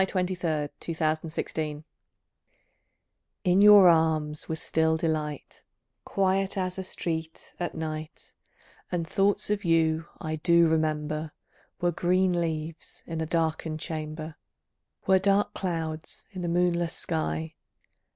PAPEETE, February 1914 RETROSPECT In your arms was still delight, Quiet as a street at night; And thoughts of you, I do remember, Were green leaves in a darkened chamber, Were dark clouds in a moonless sky.